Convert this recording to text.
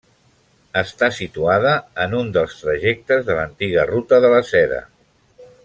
Està situada en un dels trajectes de l'antiga Ruta de la Seda.